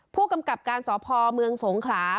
ผู้กำกับการสพเมืองสงขลา